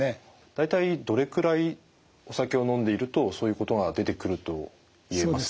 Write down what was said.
大体どれくらいお酒を飲んでいるとそういうことが出てくると言えますか？